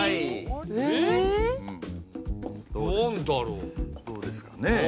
どうですかね？